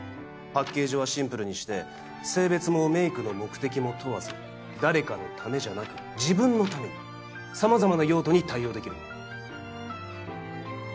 パッケージはシンプルにして性別もメイクの目的も問わず誰かのためじゃなく自分のために様々な用途に対応できるもの。